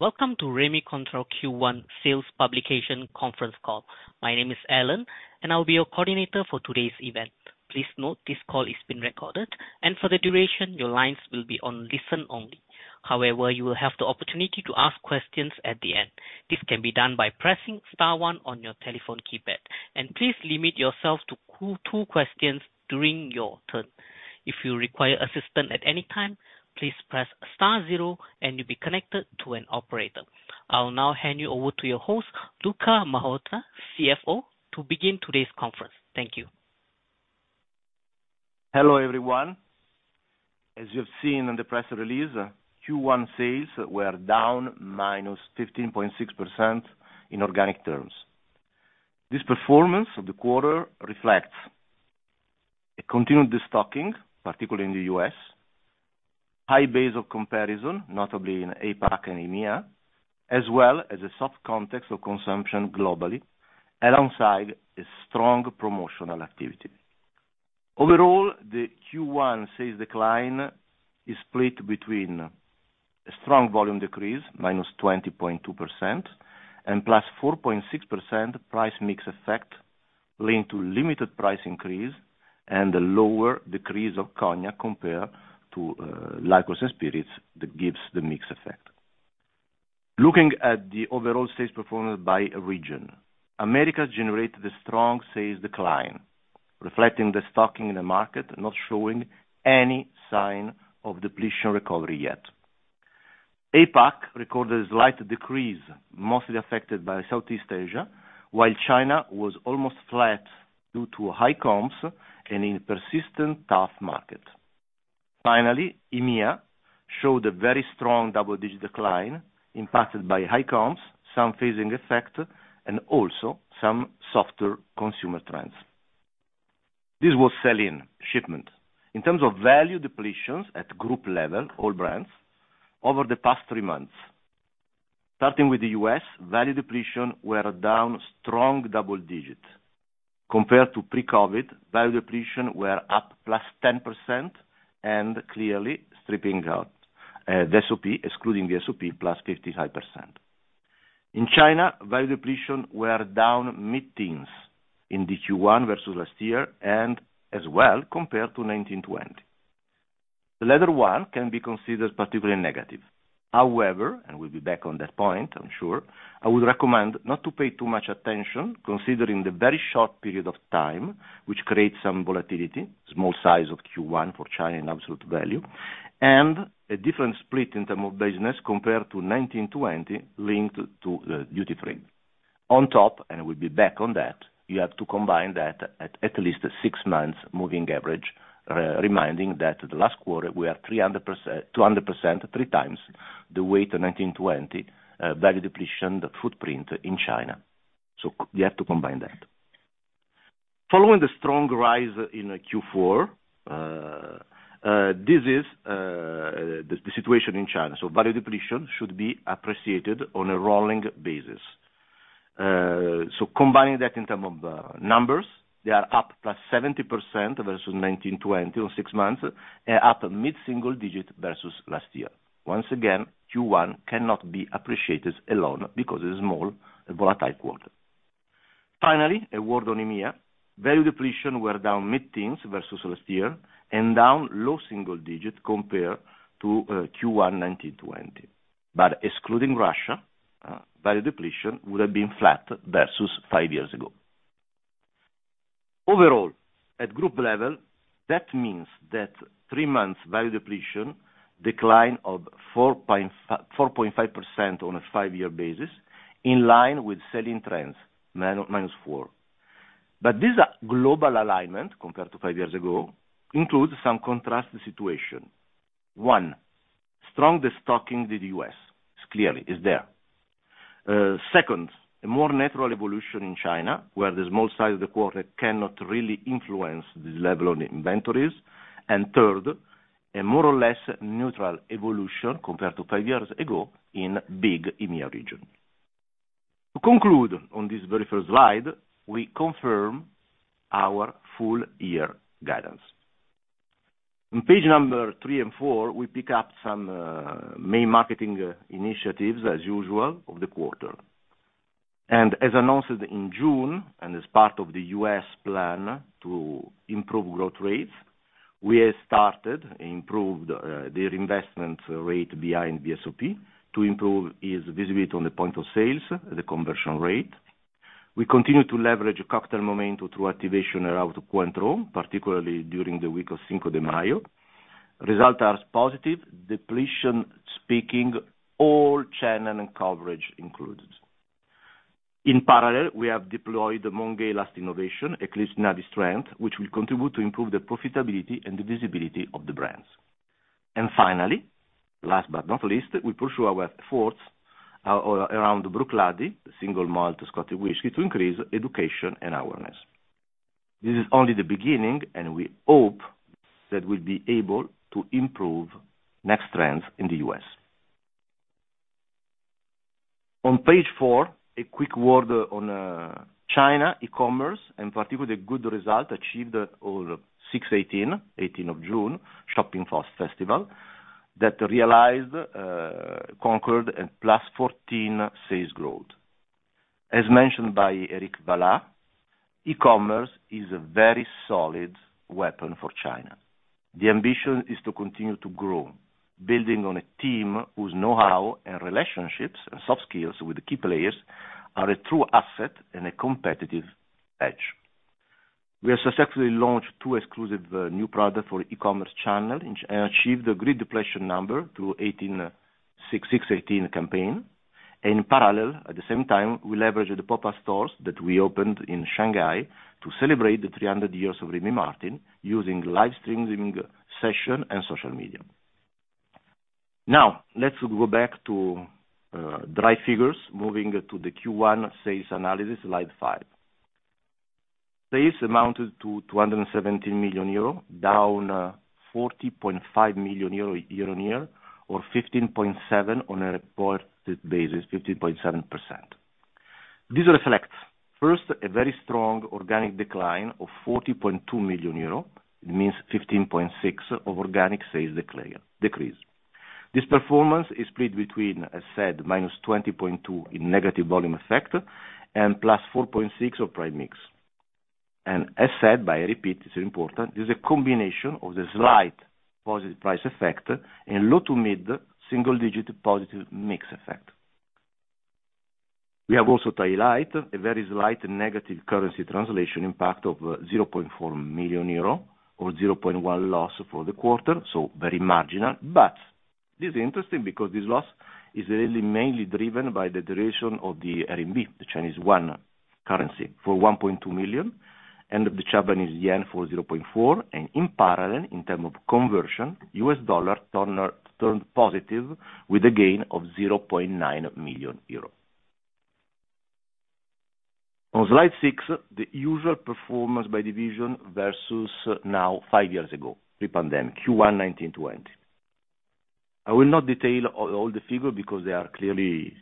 Welcome to Rémy Cointreau Q1 Sales Publication Conference Call. My name is Alan, and I'll be your coordinator for today's event. Please note this call is being recorded, and for the duration, your lines will be on listen only. However, you will have the opportunity to ask questions at the end. This can be done by pressing star one on your telephone keypad, and please limit yourself to two questions during your turn. If you require assistance at any time, please press star zero, and you'll be connected to an operator. I'll now hand you over to your host, Luca Marotta, CFO, to begin today's conference. Thank you. Hello, everyone. As you have seen in the press release, Q1 sales were down -15.6% in organic terms. This performance of the quarter reflects a continued de-stocking, particularly in the U.S., high base of comparison, notably in APAC and EMEA, as well as a soft context of consumption globally, alongside a strong promotional activity. Overall, the Q1 sales decline is split between a strong volume decrease, -20.2%, and +4.6% price mix effect linked to limited price increase and a lower decrease of cognac compared to liqueurs and spirits that gives the mix effect. Looking at the overall sales performance by region, America generated a strong sales decline, reflecting the de-stocking in the market not showing any sign of depletion recovery yet. APAC recorded a slight decrease, mostly affected by Southeast Asia, while China was almost flat due to high comps and a persistent tough market. Finally, EMEA showed a very strong double-digit decline, impacted by high comps, some phasing effect, and also some softer consumer trends. This was sell-in shipment. In terms of value depletions at group level, all brands, over the past three months, starting with the US, value depletions were down strong double digits. Compared to pre-COVID, value depletions were up +10% and clearly stripping out the SOP, excluding the SOP, +55%. In China, value depletions were down mid-teens in the Q1 versus last year and as well compared to 19/20. The latter one can be considered particularly negative. However, and we'll be back on that point, I'm sure, I would recommend not to pay too much attention considering the very short period of time, which creates some volatility, small size of Q1 for China in absolute value, and a different split in terms of business compared to 19/20 linked to the Duty Free. On top, and we'll be back on that, you have to combine that at least a six-month moving average, reminding that the last quarter we are 200%, three times the weight of 19/20 value depletion footprint in China. So you have to combine that. Following the strong rise in Q4, this is the situation in China. So value depletion should be appreciated on a rolling basis. So combining that in terms of numbers, they are up +70% versus 19/20 on six months, and up mid-single digit versus last year. Once again, Q1 cannot be appreciated alone because it's a small and volatile quarter. Finally, a word on EMEA, value depletions were down mid-teens versus last year and down low single digit compared to Q1 19/20. But excluding Russia, value depletion would have been flat versus five years ago. Overall, at group level, that means that three months value depletion decline of 4.5% on a five-year basis in line with selling trends -4%. But this global alignment compared to five years ago includes some contrast situation. One, strong stocking in the U.S., clearly is there. Second, a more natural evolution in China where the small size of the quarter cannot really influence the level of inventories. And third, a more or less neutral evolution compared to five years ago in big EMEA region. To conclude on this very first slide, we confirm our full year guidance. On pages 3 and 4, we pick up some main marketing initiatives as usual of the quarter. As announced in June and as part of the US plan to improve growth rates, we have started and improved the reinvestment rate behind the SOP to improve its visibility on the point of sale, the conversion rate. We continue to leverage a cocktail momentum through activation around Cointreau, particularly during the week of Cinco de Mayo. Results are positive, depletion speaking all channel coverage included. In parallel, we have deployed Mount Gay Eclipse Navy Strength, which will contribute to improve the profitability and the visibility of the brands. And finally, last but not least, we pursue our efforts around Bruichladdich, single malt Scotch whisky to increase education and awareness. This is only the beginning, and we hope that we'll be able to improve next trends in the US. On page 4, a quick word on China, e-commerce, and particularly good result achieved on 618, 18th of June, 618 Shopping Festival that achieved +14% sales growth. As mentioned by Éric Vallat, e-commerce is a very solid weapon for China. The ambition is to continue to grow, building on a team whose know-how and relationships and soft skills with the key players are a true asset and a competitive edge. We have successfully launched 2 exclusive new products for e-commerce channels and achieved a great depletion number through 618 campaign. In parallel, at the same time, we leveraged the pop-up stores that we opened in Shanghai to celebrate the 300 years of Rémy Martin using live streaming session and social media. Now, let's go back to dry figures, moving to the Q1 sales analysis slide 5. Sales amounted to 217 million euro, down 40.5 million euro year on year, or 15.7% on a reported basis, 15.7%. This reflects, first, a very strong organic decline of 40.2 million euro. It means 15.6% of organic sales decrease. This performance is split between, as said, -20.2% in negative volume effect and +4.6% of price mix. And as said by Éric, it's important, this is a combination of the slight positive price effect and low to mid single-digit positive mix effect. We have also, albeit, a very slight negative currency translation impact of 0.4 million euro, or 0.1% loss for the quarter, so very marginal. But this is interesting because this loss is really mainly driven by the devaluation of the RMB, the Chinese currency, for 1.2 million, and the Japanese yen for 0.4. And in parallel, in terms of conversion, US dollar turned positive with a gain of 0.9 million euro. On slide six, the usual performance by division versus now five years ago, pre-pandemic, Q1 19/20. I will not detail all the figures because they are clearly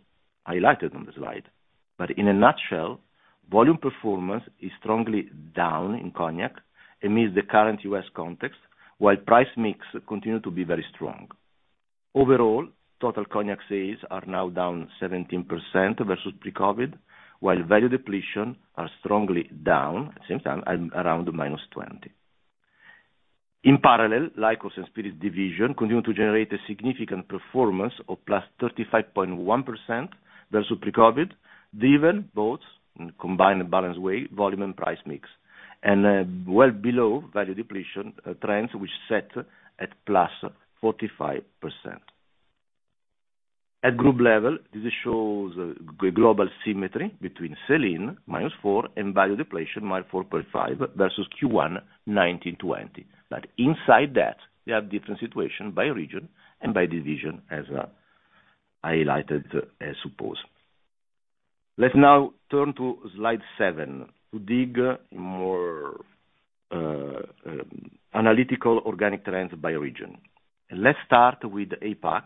highlighted on the slide. But in a nutshell, volume performance is strongly down in Cognac amidst the current US context, while Price Mix continues to be very strong. Overall, total Cognac sales are now down 17% versus pre-COVID, while value depletion is strongly down at the same time around -20%. In parallel, Liqueurs and Spirits division continue to generate a significant performance of +35.1% versus pre-COVID, driven both in combined balance way, volume, and Price Mix, and well below value depletion trends which set at +45%. At group level, this shows a global symmetry between sell-in -4% and value depletion -4.5% versus Q1 19/20. Inside that, we have different situations by region and by division, as I highlighted, I suppose. Let's now turn to slide seven to dig in more analytical organic trends by region. Let's start with APAC,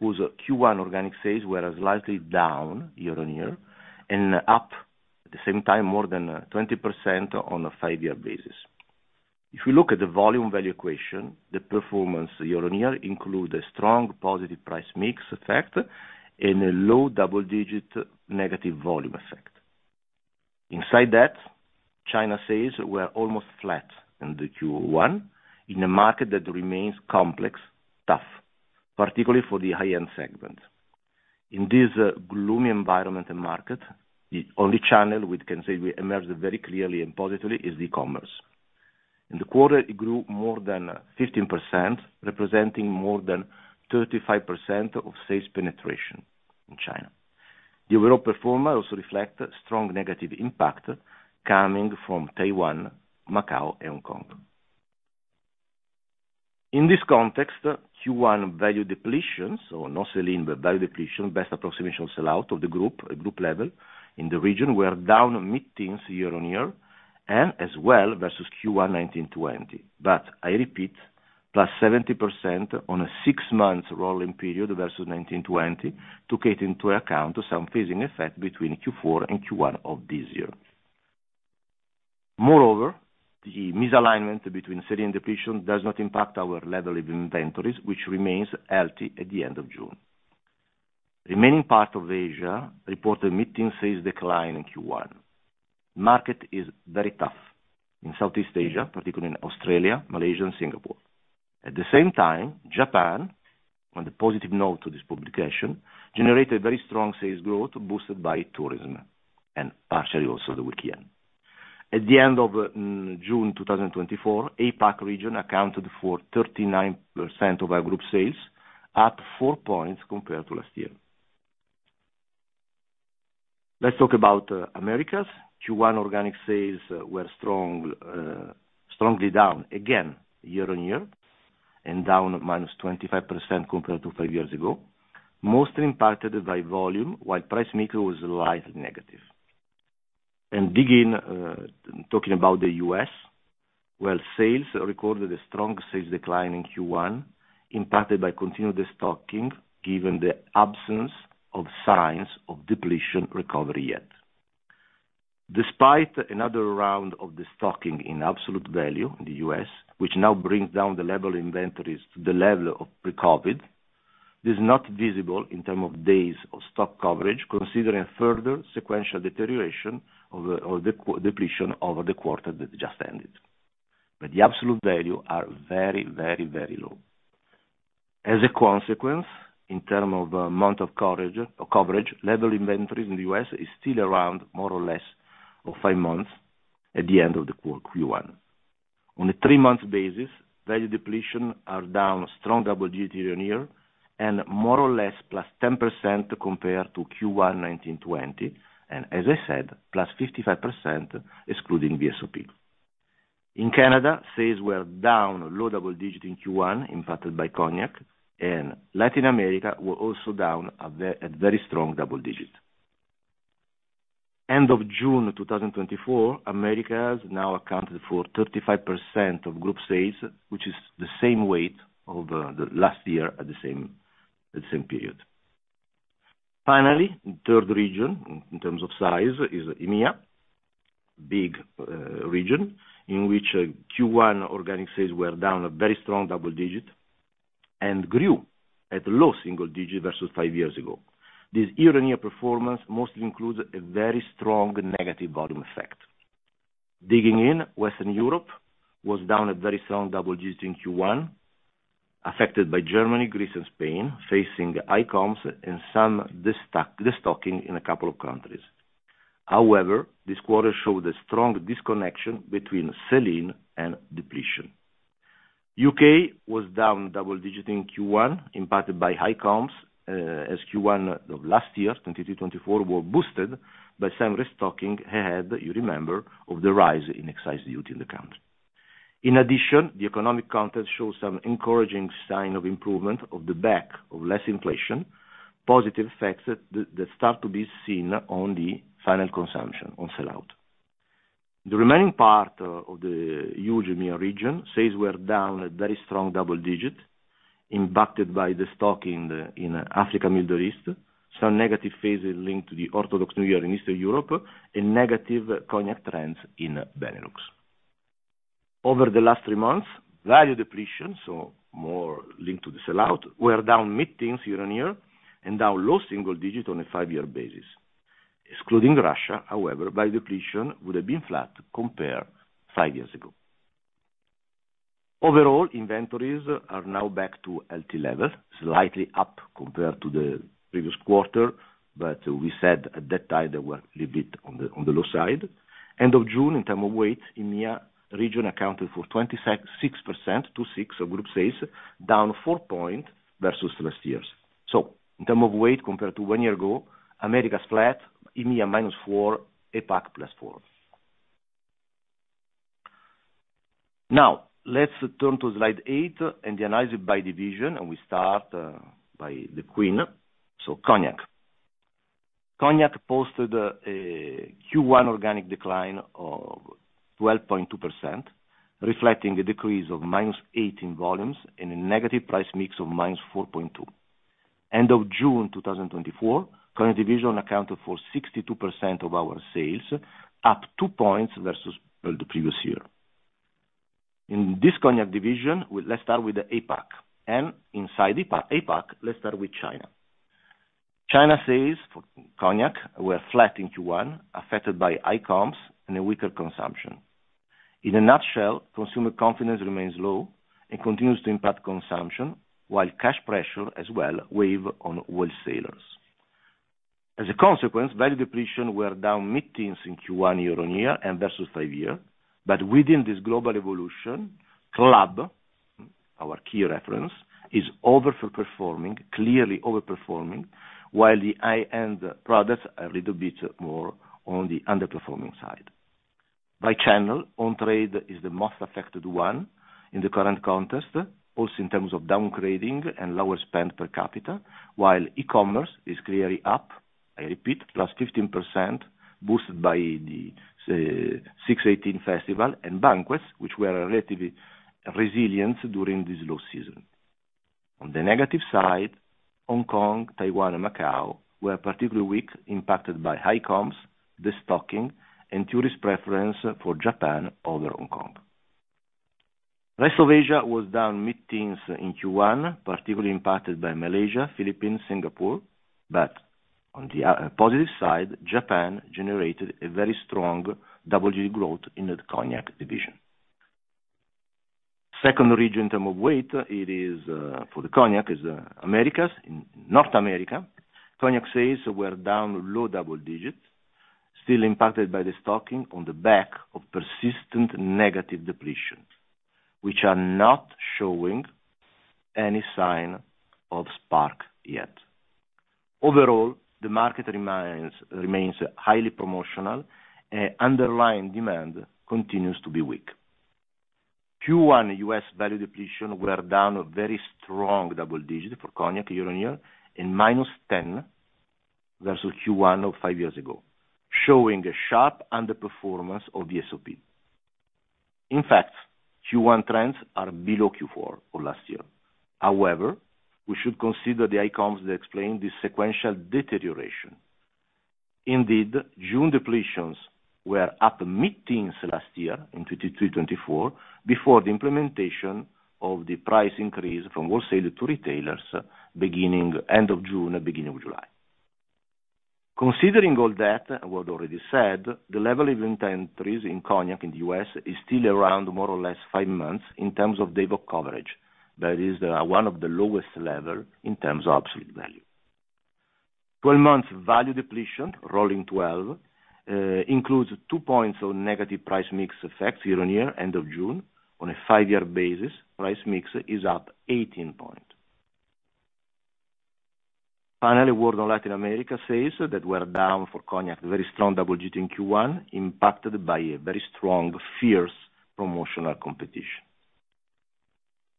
whose Q1 organic sales were slightly down year-on-year and up at the same time more than 20% on a five-year basis. If we look at the volume value equation, the performance year-on-year includes a strong positive price mix effect and a low double-digit negative volume effect. Inside that, China sales were almost flat in the Q1 in a market that remains complex, tough, particularly for the high-end segment. In this gloomy environment and market, the only channel we can say we emerged very clearly and positively is e-commerce. In the quarter, it grew more than 15%, representing more than 35% of sales penetration in China. The overall performer also reflects a strong negative impact coming from Taiwan, Macau, and Hong Kong. In this context, Q1 value depletion, so no sell-in, but value depletion, best approximation of sell-out of the group, group level in the region, were down mid-teens year-on-year and as well versus Q1 19/20. But I repeat, +70% on a six-month rolling period versus 19/20, took into account some phasing effect between Q4 and Q1 of this year. Moreover, the misalignment between sell-in and depletion does not impact our level of inventories, which remains healthy at the end of June. The remaining part of Asia reported mid-teens sales decline in Q1. The market is very tough in Southeast Asia, particularly in Australia, Malaysia, and Singapore. At the same time, Japan, on the positive note to this publication, generated very strong sales growth boosted by tourism and partially also the weak yen. At the end of June 2024, APAC region accounted for 39% of our group sales, up 4 points compared to last year. Let's talk about Americas. Q1 organic sales were strongly down again year on year and down -25% compared to 5 years ago, mostly impacted by volume, while price mix was slightly negative. And digging talking about the U.S., well, sales recorded a strong sales decline in Q1 impacted by continued stocking given the absence of signs of depletion recovery yet. Despite another round of the stocking in absolute value in the U.S., which now brings down the level of inventories to the level of pre-COVID, this is not visible in terms of days of stock coverage, considering further sequential deterioration of depletion over the quarter that just ended. But the absolute value is very, very, very low. As a consequence, in terms of amount of coverage, level of inventories in the U.S. is still around more or less 5 months at the end of the Q1. On a three-month basis, value depletion is down strong double-digit year-on-year and more or less +10% compared to Q1 1920. And as I said, +55% excluding the SOP. In Canada, sales were down low double-digit in Q1 impacted by cognac, and Latin America was also down at very strong double-digit. End of June 2024, America now accounted for 35% of group sales, which is the same weight of last year at the same period. Finally, the third region in terms of size is EMEA, big region in which Q1 organic sales were down a very strong double-digit and grew at low single-digit versus 5 years ago. This year-on-year performance mostly includes a very strong negative volume effect. Digging in, Western Europe was down a very strong double digit in Q1, affected by Germany, Greece, and Spain, facing ICOMS and some destocking in a couple of countries. However, this quarter showed a strong disconnection between selling and depletion. UK was down double digit in Q1, impacted by ICOMS as Q1 of last year, 2023-24, was boosted by some restocking ahead, you remember, of the rise in excise duty in the country. In addition, the economic context showed some encouraging signs of improvement on the back of less inflation, positive effects that start to be seen on the final consumption, on sellout. The remaining part of the huge EMEA region, sales were down a very strong double-digit, impacted by the stocking in Africa Middle East, some negative phases linked to the Orthodox New Year in Eastern Europe, and negative cognac trends in Benelux. Over the last three months, value depletion, so more linked to the sell-out, were down mid-teens year-on-year and down low single-digit on a five-year basis. Excluding Russia, however, value depletion would have been flat compared to five years ago. Overall, inventories are now back to healthy levels, slightly up compared to the previous quarter, but we said at that time they were a little bit on the low side. End of June, in terms of weight, EMEA region accounted for 26% to 6% of group sales, down 4 points versus last year. So in terms of weight compared to one year ago, America is flat, EMEA -4%, APAC +4%. Now, let's turn to slide 8 and the analysis by division, and we start by the cognac, so cognac. Cognac posted a Q1 organic decline of 12.2%, reflecting a decrease of -18% volumes and a negative price mix of -4.2%. End of June 2024, cognac division accounted for 62% of our sales, up 2 points versus the previous year. In this cognac division, let's start with the APAC. And inside APAC, let's start with China. China sales for cognac were flat in Q1, affected by ICOMS and a weaker consumption. In a nutshell, consumer confidence remains low and continues to impact consumption, while cash pressure as well weighs on all sellers. As a consequence, value depletion was down mid-teens in Q1 year-over-year and versus five years. But within this global evolution, Club, our key reference, is overperforming, clearly overperforming, while the high-end products are a little bit more on the underperforming side. By channel, On-trade is the most affected one in the current context, also in terms of down trading and lower spend per capita, while e-commerce is clearly up. I repeat, +15% boosted by the 6/18 festival and banquets, which were relatively resilient during this low season. On the negative side, Hong Kong, Taiwan, and Macau were particularly weak, impacted by ICOMS, destocking, and tourist preference for Japan over Hong Kong. Rest of Asia was down mid-teens in Q1, particularly impacted by Malaysia, Philippines, Singapore. But on the positive side, Japan generated a very strong double-digit growth in the cognac division. Second region in terms of weight, it is for the cognac, is America's. In North America, Cognac sales were down low double digits, still impacted by the stocking on the back of persistent negative depletion, which are not showing any sign of spark yet. Overall, the market remains highly promotional, and underlying demand continues to be weak. Q1 US value depletion was down a very strong double digit for Cognac year-on-year and minus 10 versus Q1 of five years ago, showing a sharp underperformance of the SOP. In fact, Q1 trends are below Q4 of last year. However, we should consider the ICOMS that explain this sequential deterioration. Indeed, June depletions were up mid-teens last year in 2023-24 before the implementation of the price increase from wholesale to retailers beginning end of June, beginning of July. Considering all that, what I already said, the level of inventories in cognac in the U.S. is still around more or less five months in terms of daybook coverage. That is one of the lowest levels in terms of absolute value. 12-month value depletion, rolling 12, includes two points of negative price mix effect year-over-year, end of June. On a five-year basis, price mix is up 18 points. Finally, a word on Latin America sales that were down for cognac, very strong double-digit in Q1, impacted by a very strong, fierce promotional competition.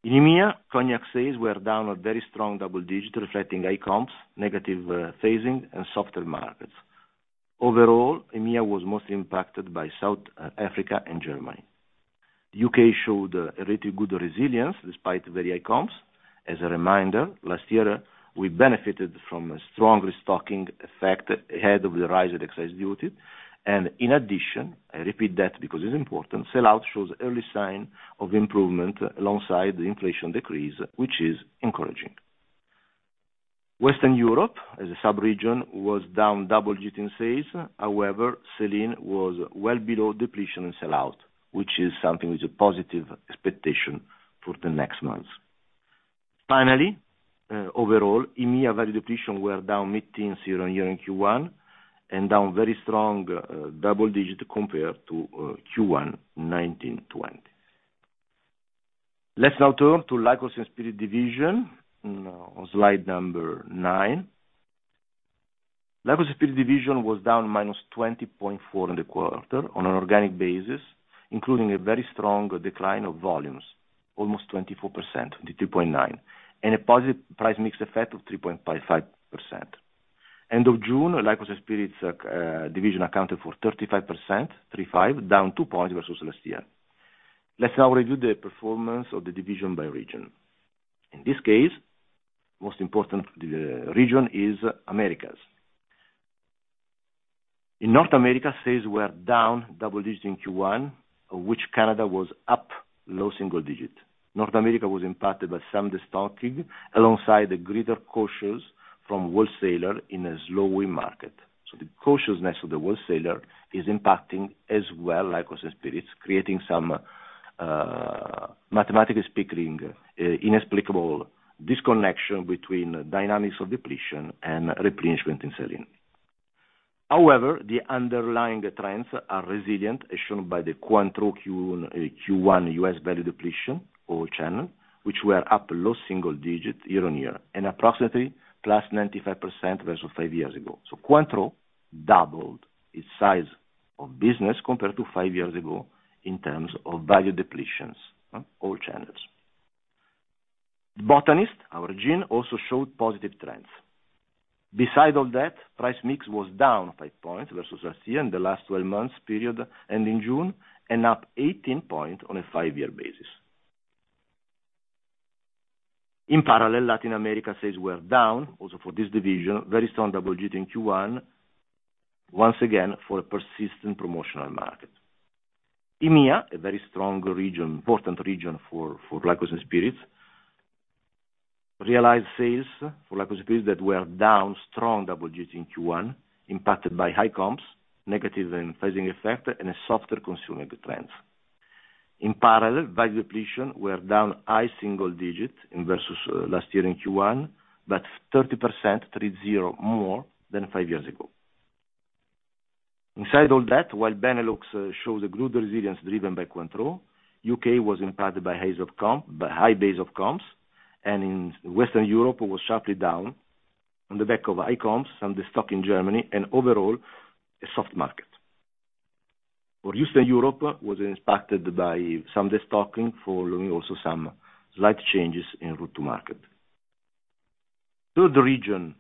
In EMEA, cognac sales were down a very strong double-digit, reflecting ICOMS, negative phasing, and softer markets. Overall, EMEA was mostly impacted by South Africa and Germany. The U.K. showed a really good resilience despite very high comps. As a reminder, last year, we benefited from a strong restocking effect ahead of the rise of excise duty. In addition, I repeat that because it's important, sellout shows early signs of improvement alongside the inflation decrease, which is encouraging. Western Europe, as a subregion, was down double-digit in sales. However, sell-in was well below depletion in sellout, which is something with a positive expectation for the next months. Finally, overall, EMEA value depletion was down mid-teens year-on-year in Q1 and down very strong double-digit compared to Q1 19/20. Let's now turn to Liqueurs and Spirits division on slide 9. Liqueurs and Spirits division was down -20.4% on the quarter on an organic basis, including a very strong decline of volumes, almost 24%, 22.9, and a positive price-mix effect of 3.5%. End of June, Liqueurs and Spirits division accounted for 35%, 3.5, down 2 points versus last year. Let's now review the performance of the division by region. In this case, the most important region is America. In North America, sales were down double-digit in Q1, of which Canada was up low single-digit. North America was impacted by some destocking alongside the greater cautiousness from wholesalers in a slow market. So the cautiousness of the wholesaler is impacting as well Liqueurs and Spirits, creating some mathematically speaking inexplicable disconnection between dynamics of depletion and replenishment in selling. However, the underlying trends are resilient, as shown by the Cointreau Q1 US value depletion, or channel, which were up low single-digit year-on-year and approximately +95% versus 5 years ago. So Cointreau doubled its size of business compared to five years ago in terms of value depletions, all channels. The Botanist, our gin, also showed positive trends. Besides all that, price mix was down 5 points versus last year in the last 12-month period ending June and up 18 points on a five-year basis. In parallel, Latin America sales were down, also for this division, very strong double-digit in Q1, once again for a persistent promotional market. EMEA, a very strong region, important region for Liqueurs and Spirits, realized sales for Liqueurs and Spirits that were down strong double-digit in Q1, impacted by ICOMS, negative phasing effect, and a softer consumer trends. In parallel, value depletion was down high single-digit versus last year in Q1, but 30%, 3.0 more than five years ago. Inside all that, while Benelux shows a good resilience driven by Cointreau, UK was impacted by high base of comps, and in Western Europe, it was sharply down on the back of ICOMS, some destocking in Germany, and overall, a soft market. For Eastern Europe, it was impacted by some destocking following also some slight changes in route to market. Third region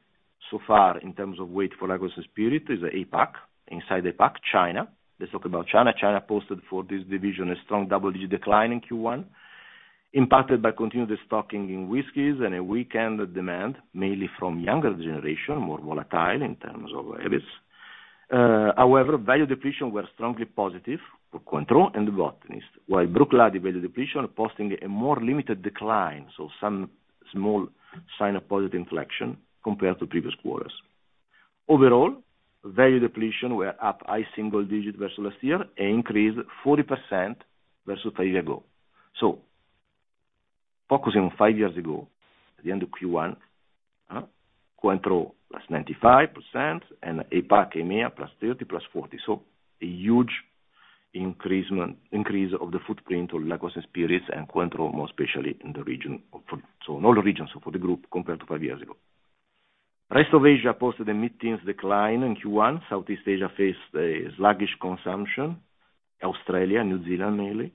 so far in terms of weight for Liqueurs and Spirits is APAC. Inside APAC, China. Let's talk about China. China posted for this division a strong double-digit decline in Q1, impacted by continued destocking in whiskeys and a weakened demand, mainly from younger generation, more volatile in terms of habits. However, value depletion was strongly positive for Cointreau and The Botanist, while Bruichladdich value depletion posting a more limited decline, so some small sign of positive inflection compared to previous quarters. Overall, value depletion was up high single digit versus last year and increased 40% versus 5 years ago. So focusing on 5 years ago, at the end of Q1, Cointreau +95% and APAC, EMEA +30, +40. So a huge increase of the footprint of Liqueurs and Spirits and Cointreau, more specifically in the region, so in all regions, so for the group compared to 5 years ago. Rest of Asia posted a mid-teens decline in Q1. Southeast Asia faced a sluggish consumption, Australia, New Zealand mainly,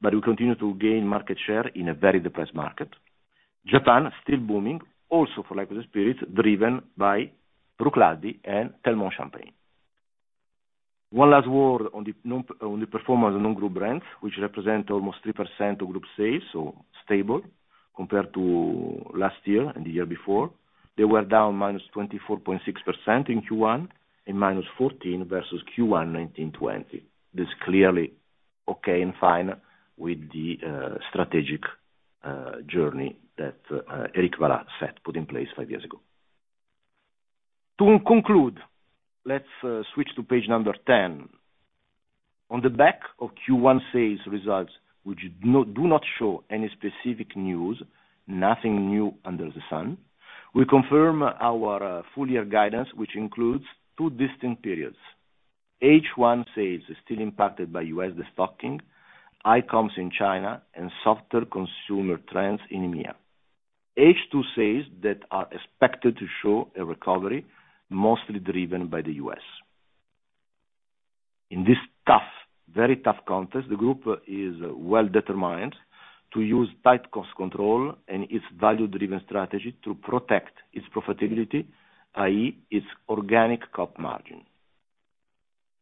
but we continue to gain market share in a very depressed market. Japan still booming, also for Liqueurs and Spirits, driven by Bruichladdich and Lanson Champagne. One last word on the performance of non-group brands, which represent almost 3% of group sales, so stable compared to last year and the year before. They were down -24.6% in Q1 and -14% versus Q1 2020. This is clearly okay and fine with the strategic journey that Éric Vallat put in place five years ago. To conclude, let's switch to page number 10. On the back of Q1 sales results, which do not show any specific news, nothing new under the sun, we confirm our full-year guidance, which includes two distinct periods. H1 sales are still impacted by U.S. destocking, ICOMS in China, and softer consumer trends in EMEA. H2 sales that are expected to show a recovery, mostly driven by the U.S. In this tough, very tough context, the group is well determined to use tight cost control and its value-driven strategy to protect its profitability, i.e., its organic COP margin.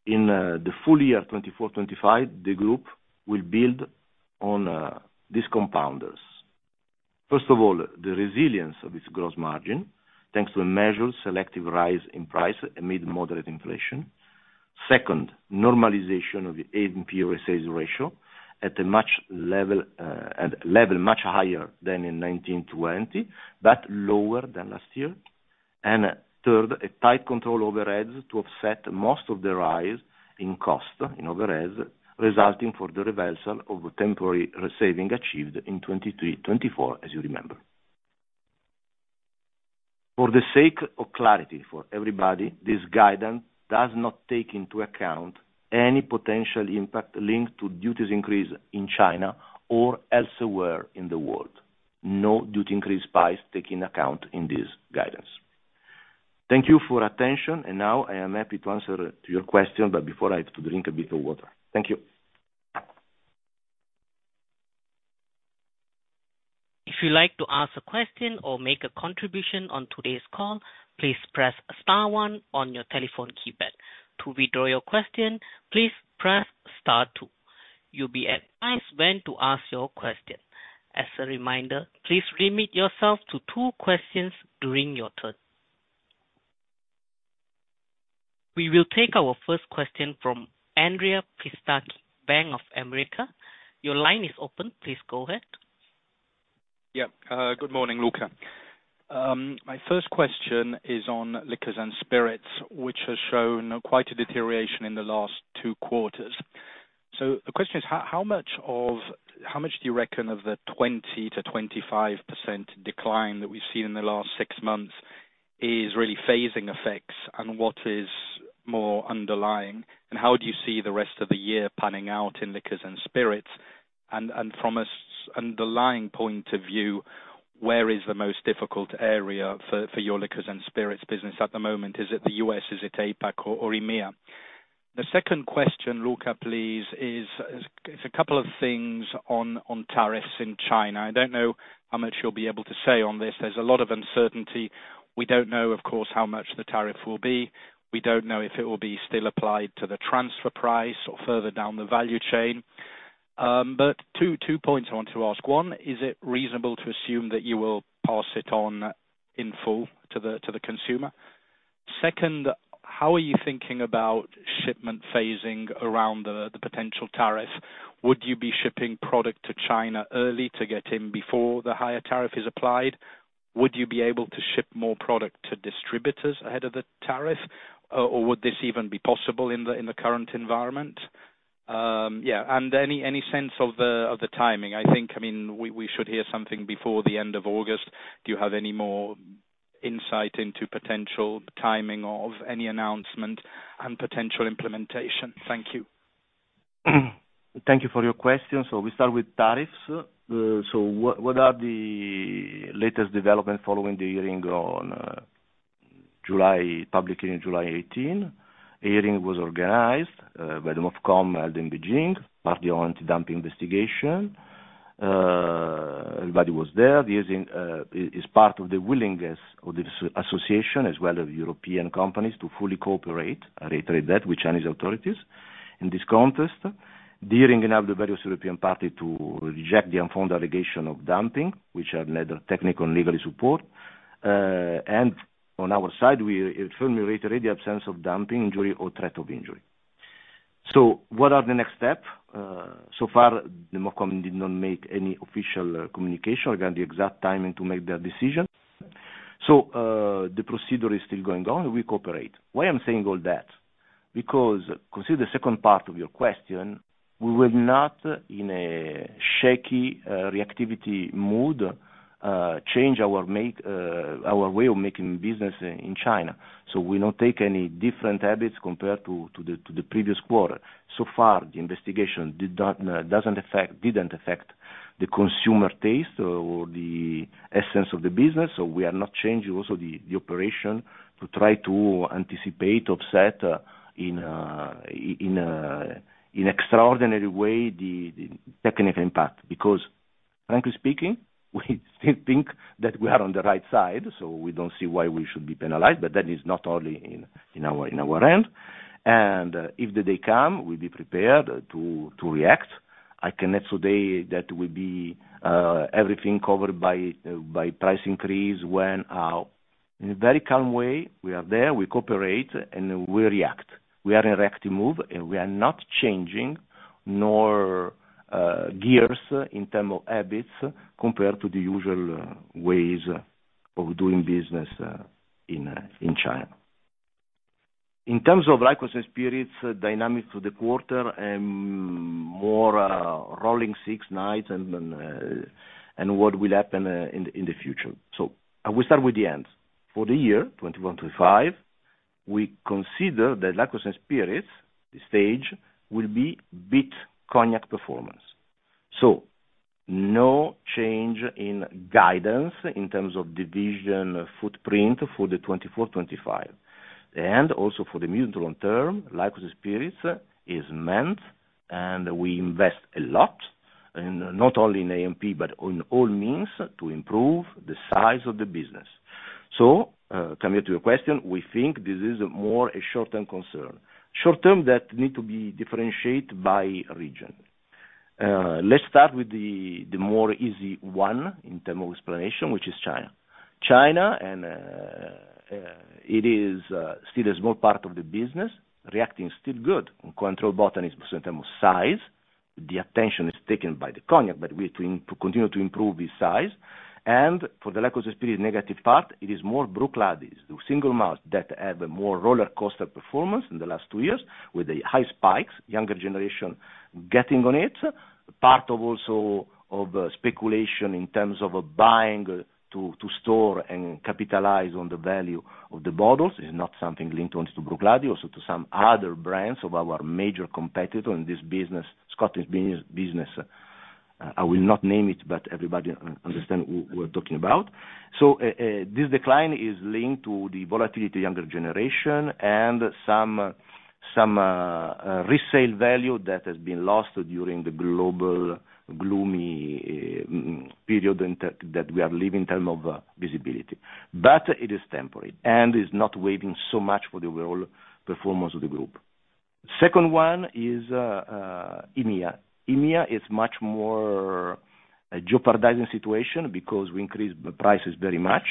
In the full year 2024-25, the group will build on these compounders. First of all, the resilience of its gross margin, thanks to a measured selective rise in price amid moderate inflation. Second, normalization of the ANP/OSA ratio at a much level much higher than in 2020, but lower than last year. And third, a tight control overheads to offset most of the rise in cost, in overheads, resulting for the reversal of temporary saving achieved in 2023-2024, as you remember. For the sake of clarity for everybody, this guidance does not take into account any potential impact linked to duties increase in China or elsewhere in the world. No duty increase spikes taken into account in this guidance. Thank you for attention. And now I am happy to answer your question, but before I have to drink a bit of water. Thank you. If you'd like to ask a question or make a contribution on today's call, please press Star 1 on your telephone keypad. To withdraw your question, please press Star 2. You'll be advised when to ask your question. As a reminder, please limit yourself to two questions during your turn. We will take our first question from Andrea Pistacchi, Bank of America. Your line is open. Please go ahead. Yep. Good morning, Luca. My first question is on liquors and spirits, which has shown quite a deterioration in the last two quarters. So the question is, how much do you reckon of the 20%-25% decline that we've seen in the last six months is really phasing effects and what is more underlying? And how do you see the rest of the year panning out in liquors and spirits? From an underlying point of view, where is the most difficult area for your liquors and spirits business at the moment? Is it the U.S.? Is it APAC or EMEA? The second question, Luca, please, is a couple of things on tariffs in China. I don't know how much you'll be able to say on this. There's a lot of uncertainty. We don't know, of course, how much the tariff will be. We don't know if it will be still applied to the transfer price or further down the value chain. But two points I want to ask. One, is it reasonable to assume that you will pass it on in full to the consumer? Second, how are you thinking about shipment phasing around the potential tariff? Would you be shipping product to China early to get in before the higher tariff is applied? Would you be able to ship more product to distributors ahead of the tariff? Or would this even be possible in the current environment? Yeah. And any sense of the timing? I think, I mean, we should hear something before the end of August. Do you have any more insight into potential timing of any announcement and potential implementation? Thank you. Thank you for your question. So we start with tariffs. So what are the latest developments following the hearing on July public hearing on July 18? The hearing was organized by the MOFCOM held in Beijing, partly on anti-dumping investigation. Everybody was there. It's part of the willingness of the association, as well as European companies, to fully cooperate, I reiterate that, with Chinese authorities in this context. The hearing enabled various European parties to reject the unfounded allegation of dumping, which had neither technical nor legal support. And on our side, we firmly reiterate the absence of dumping, injury, or threat of injury. So what are the next steps? So far, the MOFCOM did not make any official communication regarding the exact timing to make their decision. So the procedure is still going on. We cooperate. Why I'm saying all that? Because consider the second part of your question. We will not, in a shaky reactivity mood, change our way of making business in China. So we don't take any different habits compared to the previous quarter. So far, the investigation didn't affect the consumer taste or the essence of the business. So we are not changing also the operation to try to anticipate, offset in an extraordinary way the technical impact. Because, frankly speaking, we still think that we are on the right side, so we don't see why we should be penalized. But that is not only in our end. And if the day comes, we'll be prepared to react. I cannot say today that we'll be everything covered by price increase. In our very calm way, we are there, we cooperate, and we react. We are in a reactive move, and we are not changing our gears in terms of habits compared to the usual ways of doing business in China. In terms of Liqueurs and Spirits dynamics of the quarter and more rolling six months and what will happen in the future. So we start with the end. For the year 2021-2025, we consider that Liqueurs and Spirits, the stage, will beat cognac performance. So no change in guidance in terms of division footprint for the 2024-2025. Also for the medium to long term, Liqueurs and Spirits is meant, and we invest a lot, not only in ANP but in all means to improve the size of the business. So coming to your question, we think this is more a short-term concern. Short-term that needs to be differentiated by region. Let's start with the more easy one in terms of explanation, which is China. China, and it is still a small part of the business, reacting still good. Cointreau, The Botanist is also in terms of size. The attention is taken by the cognac, but we continue to improve its size. And for the Liqueurs and Spirits negative part, it is more Bruichladdich is the single malt that has a more roller coaster performance in the last two years with the high spikes, younger generation getting on it. Part of also of speculation in terms of buying to store and capitalize on the value of the bottles is not something linked only to Bruichladdich but also to some other brands of our major competitor in this business, Scottish business. I will not name it, but everybody understands who we're talking about. So this decline is linked to the volatility of younger generation and some resale value that has been lost during the global gloomy period that we are living in terms of visibility. But it is temporary and is not weighing so much for the overall performance of the group. Second one is EMEA. EMEA is much more jeopardizing situation because we increased the prices very much,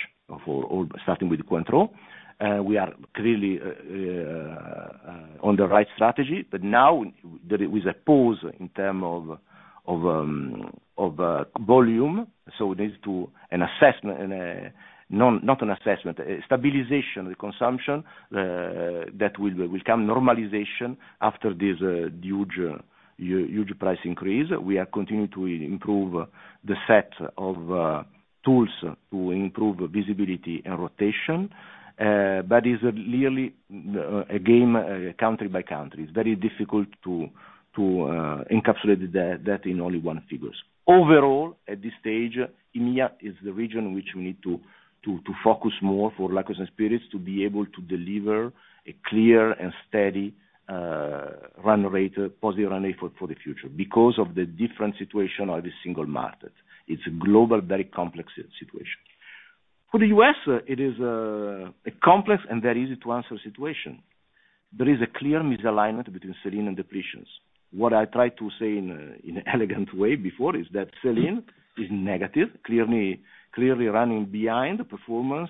starting with Cointreau. We are clearly on the right strategy, but now there is a pause in terms of volume. So it needs to be an assessment, not an assessment, stabilization of the consumption that will become normalization after this huge price increase. We are continuing to improve the set of tools to improve visibility and rotation. But it's really a game country by country. It's very difficult to encapsulate that in only one figure. Overall, at this stage, EMEA is the region which we need to focus more for Liqueurs and Spirits to be able to deliver a clear and steady run rate, positive run rate for the future because of the different situation of every single market. It's a global, very complex situation. For the U.S., it is a complex and very easy-to-answer situation. There is a clear misalignment between sell-in and depletions. What I tried to say in an elegant way before is that sell-in is negative, clearly running behind the performance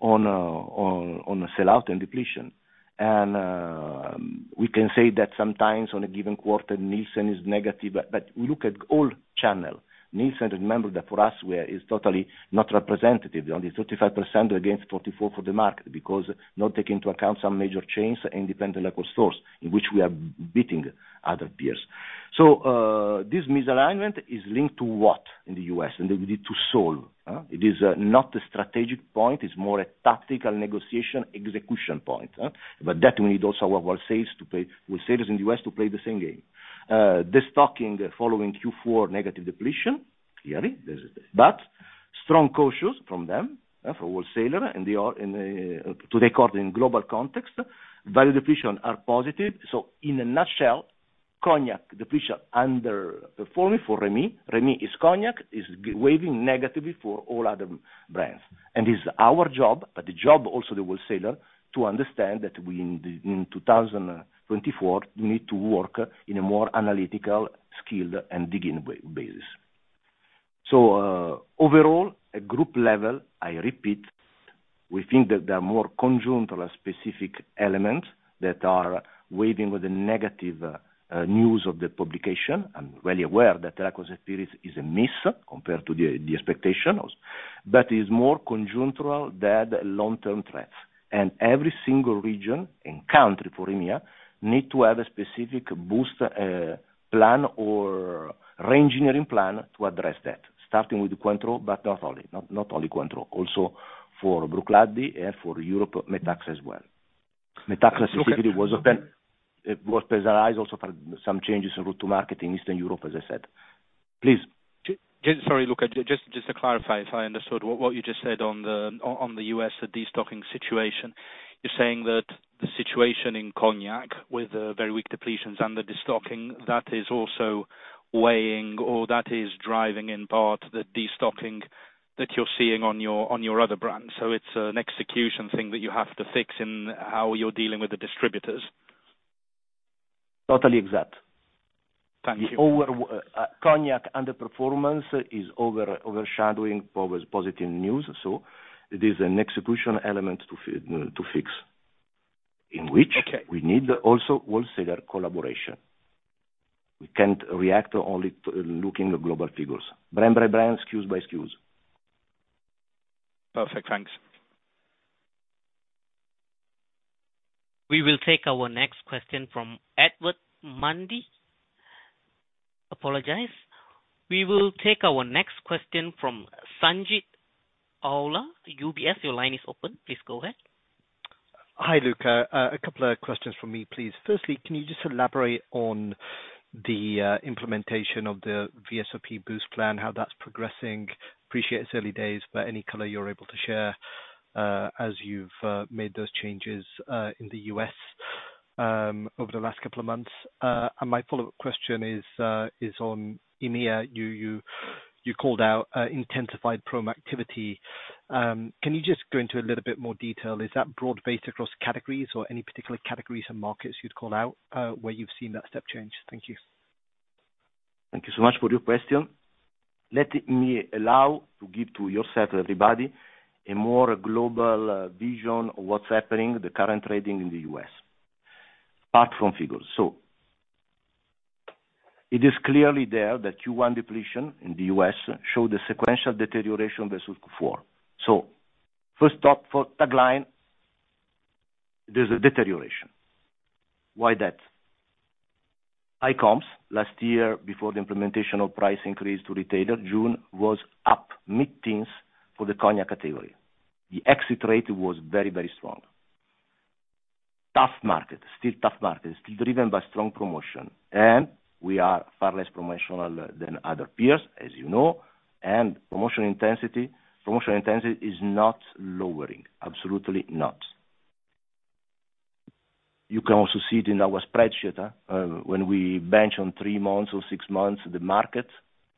on sell-out and depletion. We can say that sometimes on a given quarter, Nielsen is negative, but we look at all channels. Nielsen, remember that for us, is totally not representative. Only 35% against 44% for the market because not taking into account some major chains and independent local stores in which we are beating other peers. So this misalignment is linked to what in the U.S. and we need to solve. It is not a strategic point. It's more a tactical negotiation execution point. But that we need also our wholesalers in the U.S. to play the same game. Destocking following Q4 negative depletion, clearly. But strong caution from them for wholesalers and to record in global context, value depletion are positive. So in a nutshell, cognac depletion underperforming for Rémy. Rémy is cognac, is weighing negatively for all other brands. It's our job, but the job also of the wholesaler to understand that in 2024, we need to work in a more analytical, skilled, and digging basis. Overall, at group level, I repeat, we think that there are more conjunctural specific elements that are outweighing the negative news of the publication. I'm really aware that Liqueurs and Spirits is a miss compared to the expectations. But it is more conjunctural than long-term threats. Every single region and country for EMEA need to have a specific boost plan or re-engineering plan to address that, starting with Cointreau, but not only Cointreau. Also for Bruichladdich and for Europe Metaxa as well. Metaxa specifically was opened and was penalized also for some changes in route to market in Eastern Europe, as I said. Please. Sorry, Luca. Just to clarify if I understood what you just said on the US destocking situation. You're saying that the situation in Cognac with very weak depletions and the destocking, that is also weighing or that is driving in part the destocking that you're seeing on your other brands. So it's an execution thing that you have to fix in how you're dealing with the distributors. Totally exact. Thank you. Cognac underperformance is overshadowing positive news. So it is an execution element to fix in which we need also wholesaler collaboration. We can't react only looking at global figures. Brand by brand, SKUs by SKUs. Perfect. Thanks. We will take our next question from Edward Mundy. Apologize. We will take our next question from Sanjit Aujla, UBS. Your line is open. Please go ahead. Hi, Luca. A couple of questions from me, please. Firstly, can you just elaborate on the implementation of the VSOP boost plan, how that's progressing? Appreciate its early days, but any color you're able to share as you've made those changes in the US over the last couple of months. And my follow-up question is on EMEA. You called out intensified promo activity. Can you just go into a little bit more detail? Is that broad-based across categories or any particular categories and markets you'd call out where you've seen that step change? Thank you. Thank you so much for your question. Let me allow to give to yourself and everybody a more global vision of what's happening, the current trading in the US, apart from figures. So it is clearly there that Q1 depletion in the US showed a sequential deterioration versus Q4. So first, the topline, there's a deterioration. Why that? ICOMS, last year before the implementation of price increase to retailer, June was up mid-teens for the cognac category. The exit rate was very, very strong. Tough market, still tough market, still driven by strong promotion. And we are far less promotional than other peers, as you know. And promotion intensity is not lowering, absolutely not. You can also see it in our spreadsheet when we bench on three months or six months the market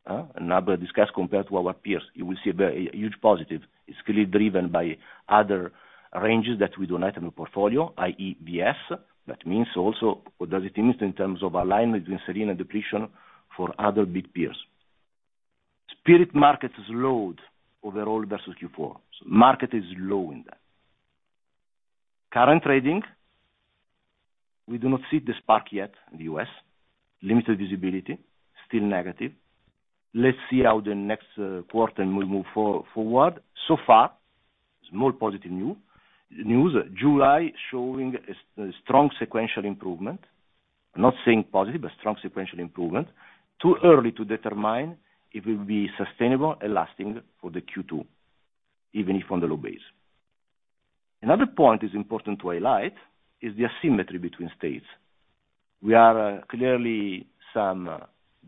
and discuss compared to our peers. You will see a huge positive. It's clearly driven by other ranges that we donate in the portfolio, i.e., BS. That means also what does it mean in terms of alignment between sell-in and depletion for other big peers. Spirits market is low overall versus Q4. Market is low in that. Current trading, we do not see the spark yet in the U.S. Limited visibility, still negative. Let's see how the next quarter will move forward. So far, small positive news. July showing strong sequential improvement. Not saying positive, but strong sequential improvement. Too early to determine if it will be sustainable and lasting for the Q2, even if on the low base. Another point is important to highlight is the asymmetry between states. We are clearly some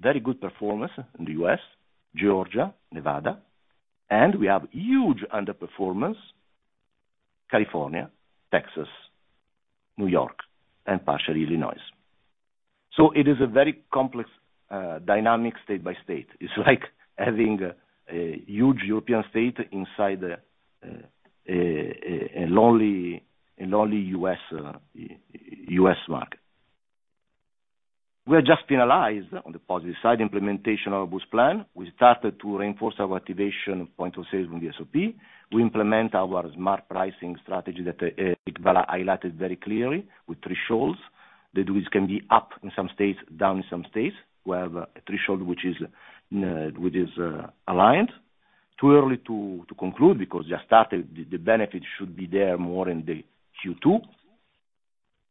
very good performance in the U.S., Georgia, Nevada, and we have huge underperformance, California, Texas, New York, and partially Illinois. So it is a very complex dynamic state by state. It's like having a huge European state inside a lonely U.S. market. We have just penalized on the positive side implementation of our boost plan. We started to reinforce our activation of 0.06 with VSOP. We implement our smart pricing strategy that I highlighted very clearly with thresholds. The duties can be up in some states, down in some states. We have a threshold which is aligned. Too early to conclude because just started, the benefit should be there more in the Q2.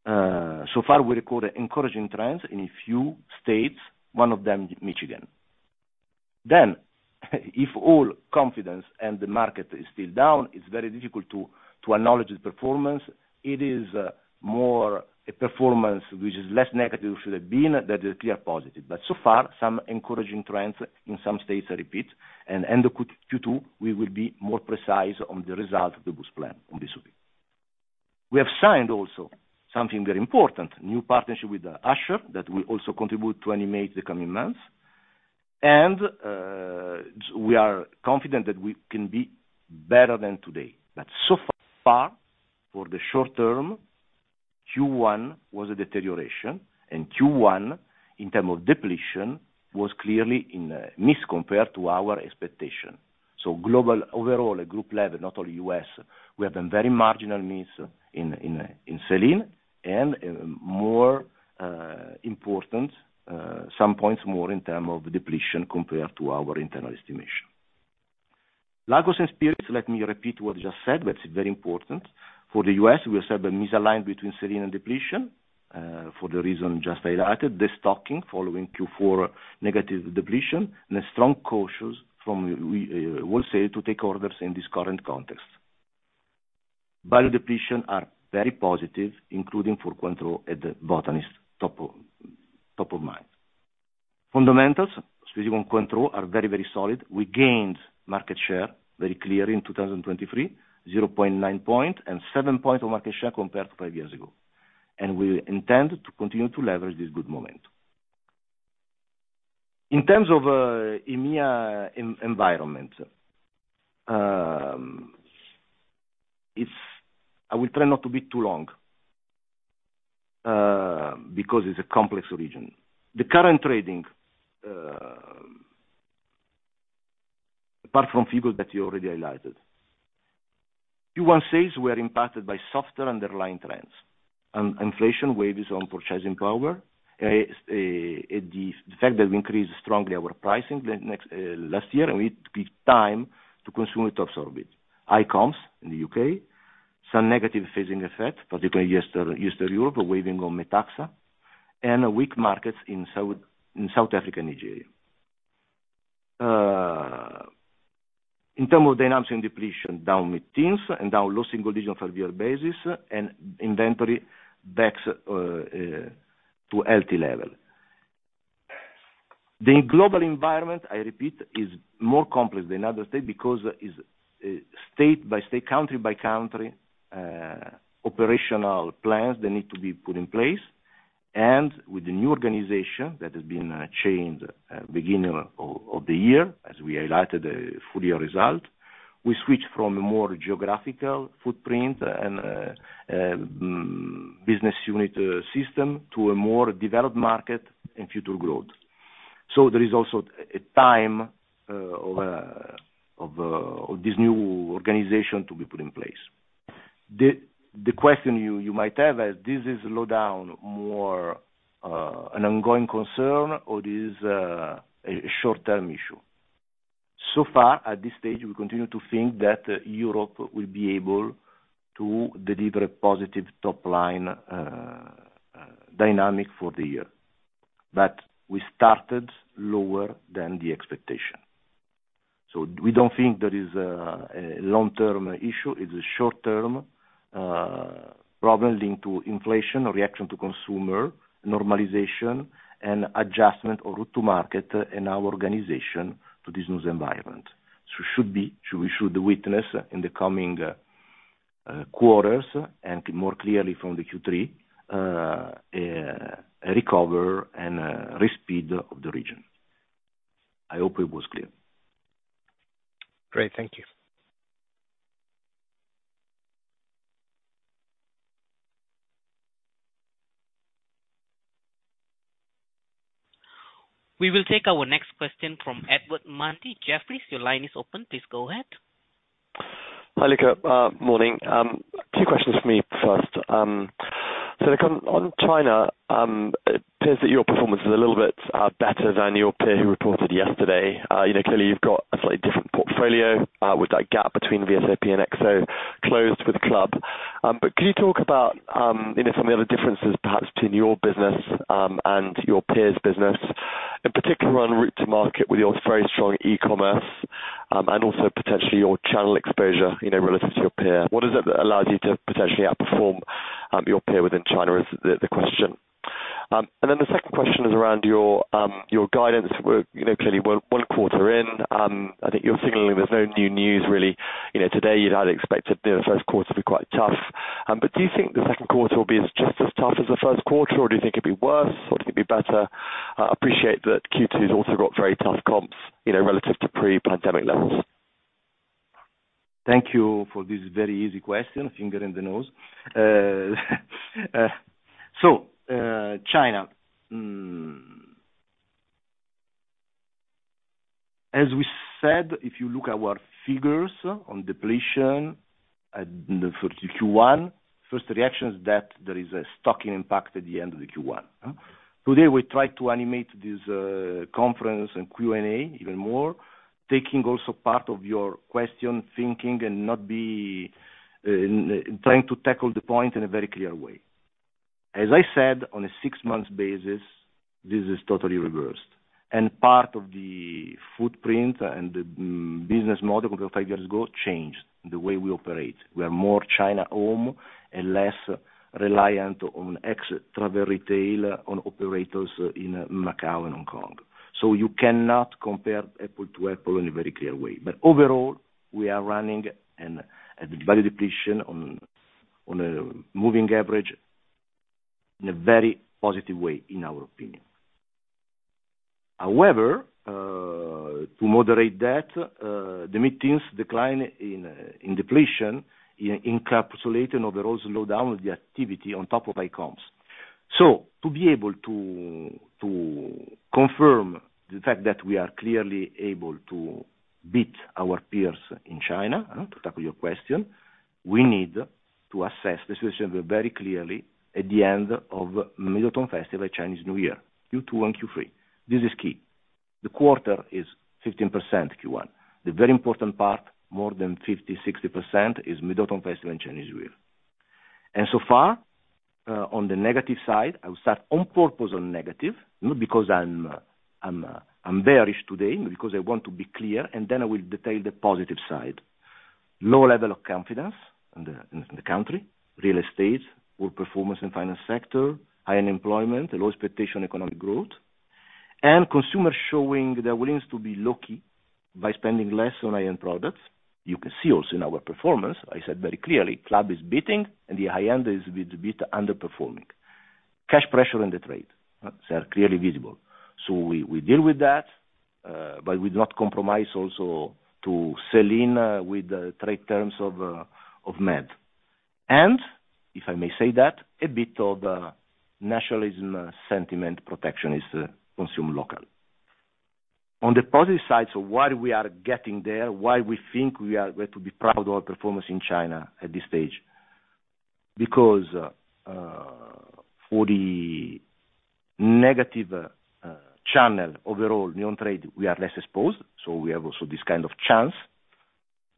So far, we recorded encouraging trends in a few states, one of them Michigan. Then, if all confidence and the market is still down, it's very difficult to acknowledge the performance. It is more a performance which is less negative should have been than a clear positive. But so far, some encouraging trends in some states are repeat. And end of Q2, we will be more precise on the result of the boost plan on this week. We have signed also something very important, new partnership with Usher that will also contribute to animate the coming months. And we are confident that we can be better than today. But so far, for the short term, Q1 was a deterioration. And Q1, in terms of depletion, was clearly a miss compared to our expectation. So global, overall, at group level, not only US, we have been very marginal miss in sell-in. And more important, some points more in terms of depletion compared to our internal estimation. Liqueurs and Spirits, let me repeat what I just said, but it's very important. For the US, we'll see the misalignment between sell-in and depletion for the reason just highlighted, destocking following Q4 negative depletion, and strong cautious from wholesale to take orders in this current context. Value depletion are very positive, including for Cointreau and The Botanist is top of mind. Fundamentals, specifically on Cointreau, are very, very solid. We gained market share very clearly in 2023, 0.9 point and 7 points of market share compared to five years ago. We intend to continue to leverage this good moment. In terms of EMEA environment, I will try not to be too long because it's a complex region. The current trading, apart from figures that you already highlighted, Q1 sales, we are impacted by softer underlying trends. Inflation waves on purchasing power. The fact that we increased strongly our pricing last year and we took time to consume it absorb it. ICOMS in the UK, some negative phasing effect, particularly Eastern Europe, weighing on Metaxa. Weak markets in South Africa and Nigeria. In terms of dynamics and depletion, down mid-teens and down low single digit on five-year basis, and inventory back to healthy level. The global environment, I repeat, is more complex than other states because it's state by state, country by country, operational plans that need to be put in place. With the new organization that has been changed at the beginning of the year, as we highlighted the full year result, we switched from a more geographical footprint and business unit system to a more developed market and future growth. There is also a time of this new organization to be put in place. The question you might have is, is this slowdown more an ongoing concern or is a short-term issue? So far, at this stage, we continue to think that Europe will be able to deliver a positive top line dynamic for the year. But we started lower than the expectation. We don't think there is a long-term issue. It's a short-term problem linked to inflation, reaction to consumer, normalization, and adjustment or route to market and our organization to this new environment. So we should witness in the coming quarters and more clearly from the Q3, a recovery and a respite of the region. I hope it was clear. Great. Thank you. We will take our next question from Edward Mundy. Jeffries, please, your line is open. Please go ahead. Hi, Luca. Morning. Two questions for me first. So on China, it appears that your performance is a little bit better than your peer who reported yesterday. Clearly, you've got a slightly different portfolio with that gap between VSOP and XO closed with Club. But could you talk about some of the other differences perhaps between your business and your peers' business, in particular on route to market with your very strong e-commerce and also potentially your channel exposure relative to your peer? What is it that allows you to potentially outperform your peer within China is the question. And then the second question is around your guidance. Clearly, one quarter in. I think you're signaling there's no new news really. Today, you'd had expected the first quarter to be quite tough. But do you think the second quarter will be just as tough as the first quarter, or do you think it'll be worse, or do you think it'll be better? Appreciate that Q2 has also got very tough comps relative to pre-pandemic levels. Thank you for this very easy question. Finger in the nose. So China. As we said, if you look at our figures on depletion at Q1, first reaction is that there is a stocking impact at the end of the Q1. Today, we tried to animate this conference and Q&A even more, taking also part of your question thinking and trying to tackle the point in a very clear way. As I said, on a six-month basis, this is totally reversed. Part of the footprint and the business model compared to five years ago changed the way we operate. We are more China-owned and less reliant on extra retail on operators in Macau and Hong Kong. So you cannot compare apples to apples in a very clear way. But overall, we are running at value depletion on a moving average in a very positive way, in our opinion. However, to moderate that, the mid-teens decline in depletion encapsulated and overall slowed down the activity on top of ICOMS. So to be able to confirm the fact that we are clearly able to beat our peers in China, to tackle your question, we need to assess the situation very clearly at the end of Mid-Autumn Festival at Chinese New Year, Q2 and Q3. This is key. The quarter is 15% Q1. The very important part, more than 50%-60%, is Mid-Autumn Festival in Chinese New Year. So far, on the negative side, I will start on purpose on negative, not because I'm bearish today, but because I want to be clear, and then I will detail the positive side. Low level of confidence in the country, real estate, poor performance in the finance sector, high unemployment, low expectation economic growth, and consumers showing their willingness to be lucky by spending less on high-end products. You can see also in our performance, I said very clearly, Club is beating, and the high-end is a bit underperforming. Cash pressure in the trade is clearly visible. So we deal with that, but we do not compromise also to sell in with trade terms of MAD. If I may say that, a bit of nationalism sentiment protection is consumed local. On the positive side, so why we are getting there, why we think we are going to be proud of our performance in China at this stage? Because for the negative channel overall, on-trade, we are less exposed. So we have also this kind of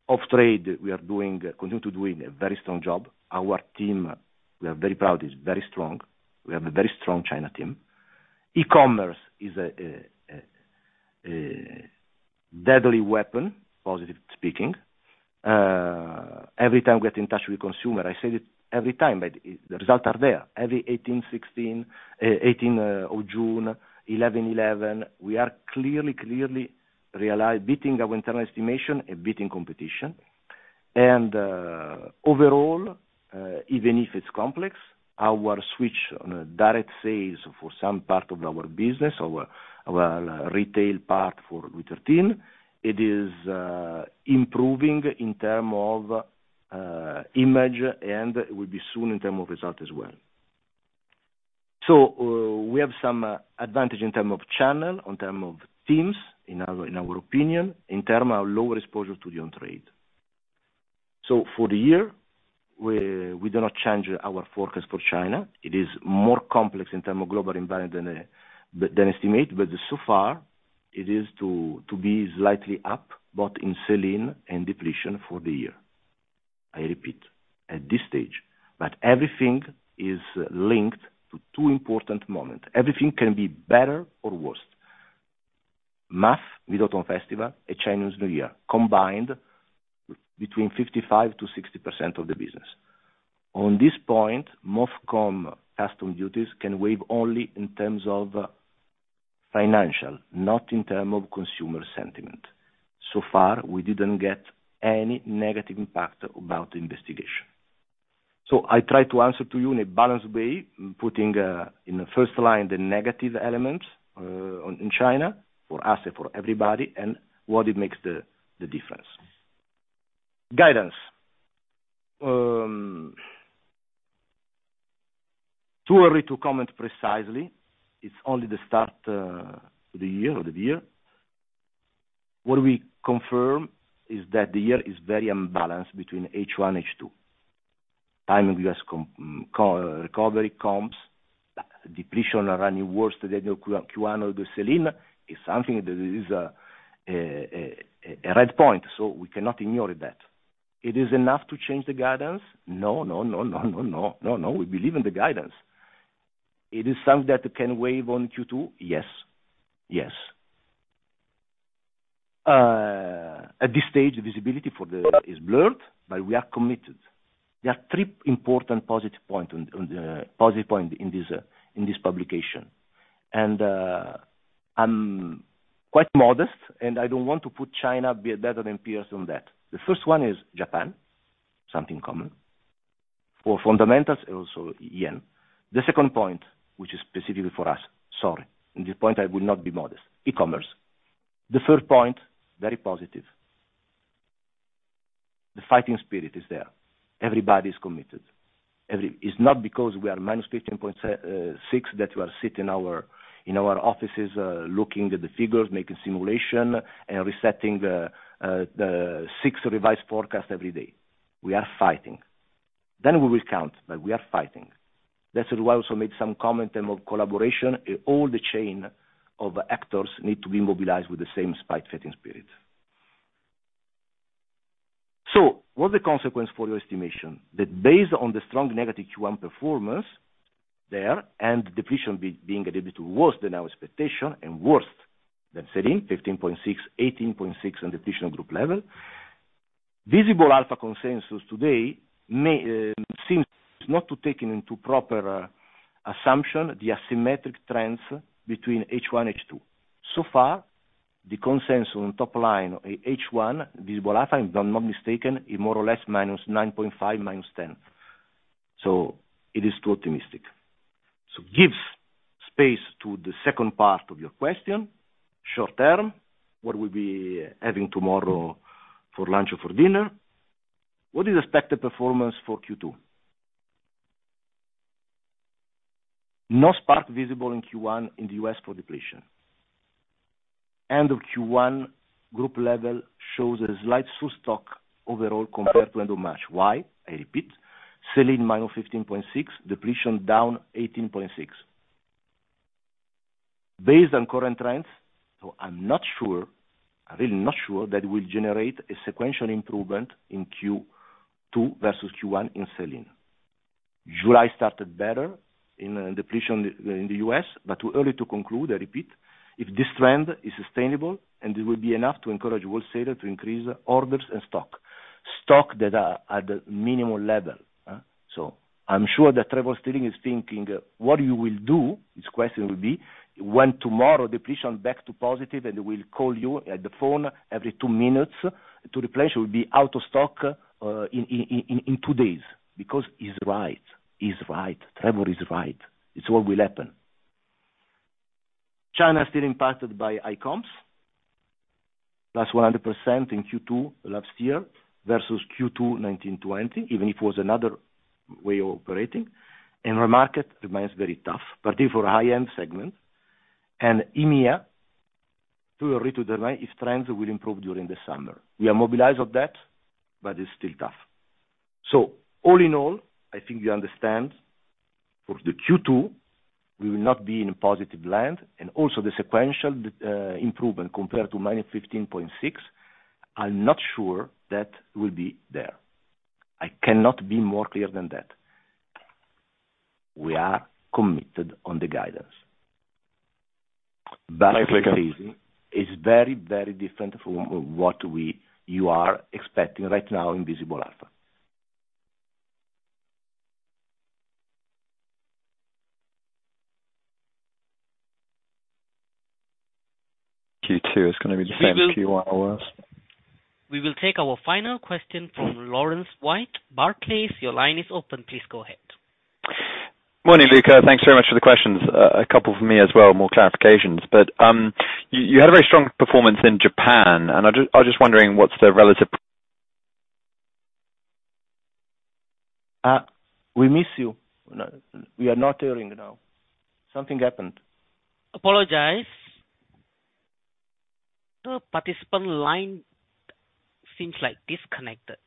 off-trade. We are continuing to do a very strong job. Our team, we are very proud, is very strong. We have a very strong China team. E-commerce is a deadly weapon, positively speaking. Every time we get in touch with consumers, I say it every time, but the results are there. Every 6.18, 11.11, we are clearly, clearly beating our internal estimation and beating competition. Overall, even if it's complex, our switch on direct sales for some part of our business, our retail part for Q13, it is improving in terms of image, and it will be soon in terms of result as well. So we have some advantage in terms of channel, in terms of teams, in our opinion, in terms of lower exposure to on-trade. So for the year, we do not change our forecast for China. It is more complex in terms of global environment than estimated, but so far, it is to be slightly up, but in sell-in and depletion for the year. I repeat, at this stage. But everything is linked to two important moments. Everything can be better or worse. Mid-Autumn Festival and Chinese New Year combined between 55%-60% of the business. On this point, MOFCOM customs duties can waive only in terms of financial, not in terms of consumer sentiment. So far, we didn't get any negative impact about the investigation. So I tried to answer to you in a balanced way, putting in the first line the negative elements in China for us and for everybody and what it makes the difference. Guidance. Too early to comment precisely. It's only the start of the year or the year. What we confirm is that the year is very unbalanced between H1, H2. Timing US recovery comps, depletion running worse than Q1 or the sell-in is something that is a red flag. So we cannot ignore that. It is enough to change the guidance? No, no, no, no, no, no, no. We believe in the guidance. It is something that can vary on Q2? Yes. Yes. At this stage, the visibility is blurred, but we are committed. There are three important positive points in this publication. I'm quite modest, and I don't want to put China better than peers on that. The first one is Japan, something common. For fundamentals, also yen. The second point, which is specifically for us, sorry. At this point, I will not be modest. E-commerce. The third point, very positive. The fighting spirit is there. Everybody is committed. It's not because we are -15.6% that we are sitting in our offices looking at the figures, making simulation, and resetting the six revised forecasts every day. We are fighting. Then we will count, but we are fighting. That's why I also made some comment in terms of collaboration. All the chain of actors need to be mobilized with the same spite-fighting spirit. What are the consequences for your estimation? That, based on the strong negative Q1 performance there and depletion being a little bit worse than our expectation and worse than sell-in, -15.6, -18.6 on depletion group level, Visible Alpha consensus today seems not to take into proper assumption the asymmetric trends between H1, H2. So far, the consensus on top line H1, Visible Alpha, if I'm not mistaken, is more or less -9.5, -10. So it is too optimistic. So gives space to the second part of your question, short term, what we'll be having tomorrow for lunch or for dinner. What is expected performance for Q2? No spark visible in Q1 in the U.S. for depletion. End of Q1 group level shows a slight de-stocking overall compared to end of March. Why? I repeat, sell-in -15.6, depletion down 18.6. Based on current trends, so I'm not sure, I'm really not sure that we'll generate a sequential improvement in Q2 versus Q1 in sales. July started better in depletion in the US, but too early to conclude, I repeat, if this trend is sustainable and it will be enough to encourage wholesalers to increase orders and stock. Stock that are at minimum level. So I'm sure that Trevor Stirling is thinking, what you will do, his question will be, when tomorrow depletion back to positive and we'll call you at the phone every two minutes to replace you, we'll be out of stock in two days. Because he's right. He's right. Trevor is right. It's what will happen. China is still impacted by ICOMS, plus 100% in Q2 last year versus Q2 19/20, even if it was another way of operating. And the market remains very tough, particularly for high-end segments. EMEA, too early to say if trends will improve during the summer. We are mobilized on that, but it's still tough. So all in all, I think you understand for the Q2, we will not be in a positive land. And also the sequential improvement compared to -15.6%, I'm not sure that will be there. I cannot be more clear than that. We are committed on the guidance. But it's very, very different from what you are expecting right now in Visible Alpha. Q2 is going to be the same Q1 or worse? We will take our final question from Laurence Whyatt. Barclays, please, your line is open. Please go ahead. Morning, Luca. Thanks very much for the questions. A couple for me as well, more clarifications. But you had a very strong performance in Japan, and I'm just wondering what's the relative? We miss you. We are not hearing now. Something happened. Apologize. The participant line seems like disconnected.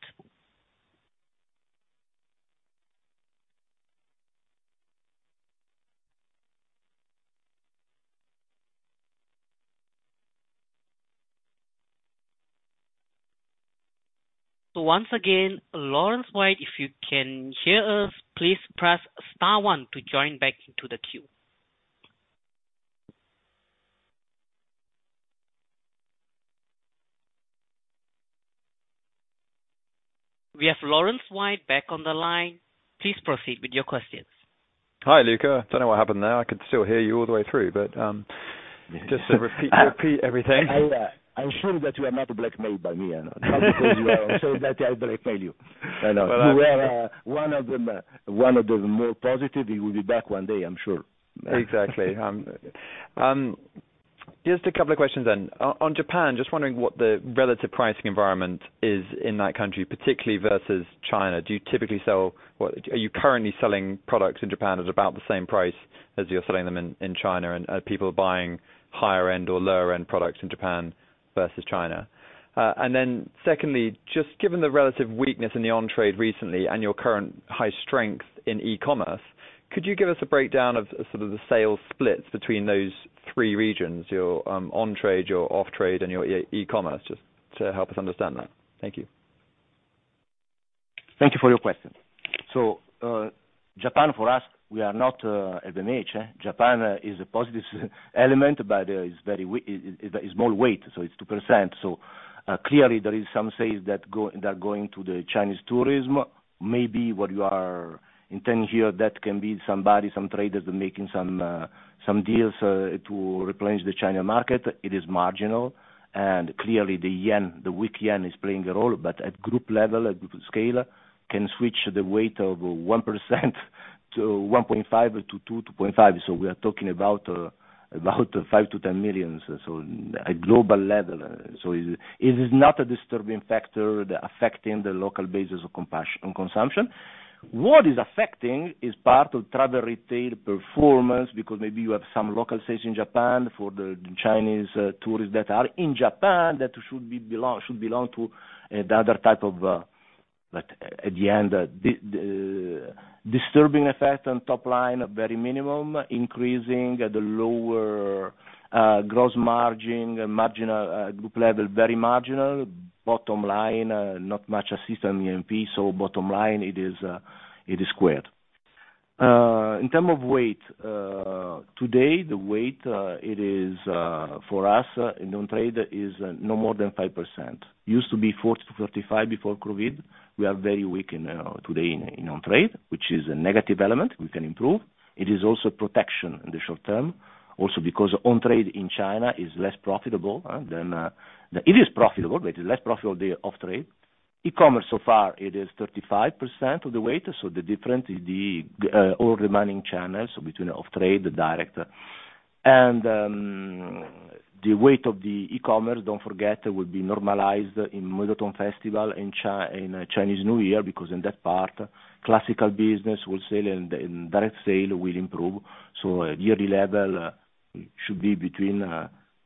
So once again, Laurence Whyatt, if you can hear us, please press star one to join back into the queue. We have Laurence Whyatt back on the line. Please proceed with your questions. Hi, Luca. I don't know what happened there. I could still hear you all the way through, but just to repeat everything. I assume that you are not blackmailed by me. I'm not sure that I blackmail you. I know. You were one of the more positive. You will be back one day, I'm sure. Exactly. Just a couple of questions then. On Japan, just wondering what the relative pricing environment is in that country, particularly versus China. Do you typically sell? Are you currently selling products in Japan at about the same price as you're selling them in China? Are people buying higher-end or lower-end products in Japan versus China? And then secondly, just given the relative weakness in the on-trade recently and your current high strength in e-commerce, could you give us a breakdown of sort of the sales splits between those three regions, your on-trade, your off-trade, and your e-commerce, just to help us understand that? Thank you. Thank you for your question. Japan for us, we are not at the niche. Japan is a positive element, but it's very small weight. So it's 2%. So clearly, there is some sales that are going to the Chinese tourism. Maybe what you are intending here, that can be somebody, some traders making some deals to replenish the China market. It is marginal. And clearly, the yen, the weak yen is playing a role, but at group level, at group scale, can switch the weight of 1%-1.5% to 2%-2.5%. So we are talking about 5 million-10 million. So at global level, so it is not a disturbing factor affecting the local basis of consumption. What is affecting is part of travel retail performance because maybe you have some local sales in Japan for the Chinese tourists that are in Japan that should belong to the other type of, at the end, disturbing effect on top line, very minimum, increasing the lower gross margin, marginal group level, very marginal, bottom line, not much assistance in EMEA. So bottom line, it is squared. In terms of weight, today, the weight for us in on-trade is no more than 5%. Used to be 40%-35% before COVID. We are very weak today in on-trade, which is a negative element. We can improve. It is also protection in the short term, also because on-trade in China is less profitable than it is profitable, but it is less profitable than off-trade. E-commerce so far, it is 35% of the weight. So the difference is all the remaining channels between off-trade, the direct. The weight of the e-commerce, don't forget, will be normalized in Mid-Autumn Festival and Chinese New Year because in that part, classical business will sell and direct sale will improve. So yearly level should be between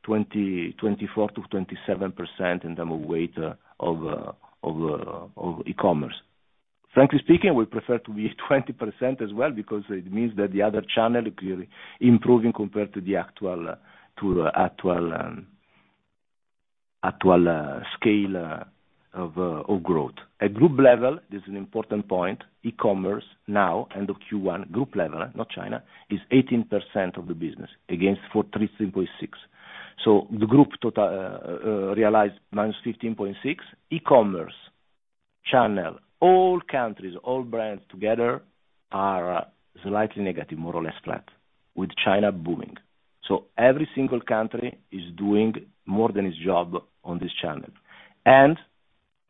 24%-27% in terms of weight of e-commerce. Frankly speaking, we prefer to be 20% as well because it means that the other channel is improving compared to the actual scale of growth. At group level, this is an important point. E-commerce now, end of Q1, group level, not China, is 18% of the business against 43.6. So the group realized -15.6. E-commerce channel, all countries, all brands together are slightly negative, more or less flat, with China booming. So every single country is doing more than its job on this channel. And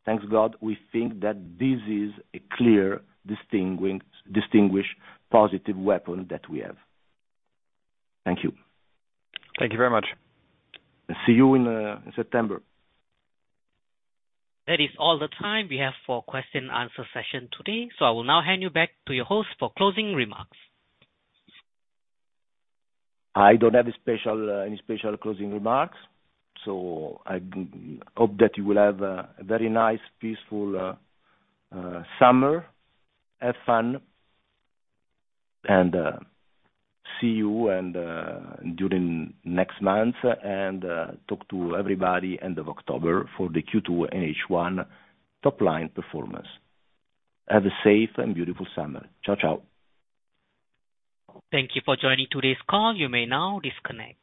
thank God, we think that this is a clear, distinguished positive weapon that we have. Thank you. Thank you very much. See you in September. That is all the time we have for question-and-answer session today. So I will now hand you back to your host for closing remarks. I don't have any special closing remarks. So I hope that you will have a very nice, peaceful summer. Have fun. And see you during next month and talk to everybody end of October for the Q2 and H1 top line performance. Have a safe and beautiful summer. Ciao, ciao. Thank you for joining today's call. You may now disconnect.